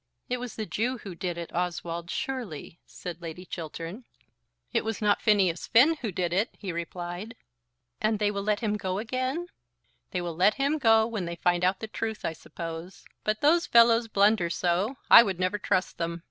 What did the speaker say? "It was the Jew who did it, Oswald, surely," said Lady Chiltern. "It was not Phineas Finn who did it," he replied. "And they will let him go again?" "They will let him go when they find out the truth, I suppose. But those fellows blunder so, I would never trust them.